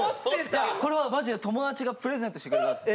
これはマジで友達がプレゼントしてくれたんです。